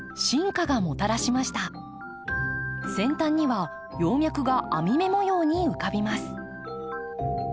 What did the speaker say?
先端には葉脈が網目模様に浮かびます。